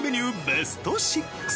ベスト６。